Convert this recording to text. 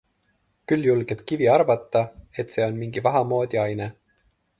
Küll julgeb Kivi arvata, et see on mingi vaha moodi aine.